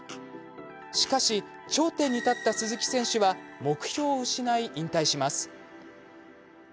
しかし、頂点に立った鈴木選手は目標を失い引退します。